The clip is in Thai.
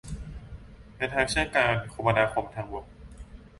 เป็นทางเชื่อมการคมนาคมทางบก